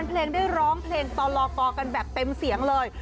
เพลงได้ร้องเพลงต่อลอกอกันแบบเต็มเสียงเลย